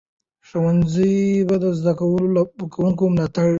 ښوونځی به د زده کوونکو ملاتړ کوي.